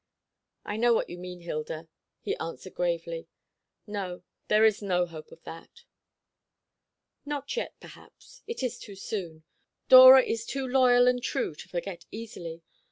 "I know what you mean, Hilda," he answered gravely. "No, there is no hope of that." "Not yet, perhaps. It is too soon. Dora is too loyal and true to forget easily.